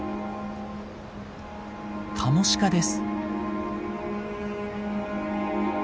カモシカです。